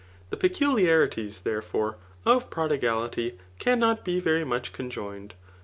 . The pecu w Harides, therefore, of prodigality oumot be very much. conjoined.